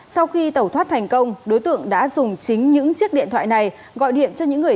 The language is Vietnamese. sau khi tẩu thoát thành công đối tượng đã dùng chính những chiếc điện thoại này gọi điện cho những người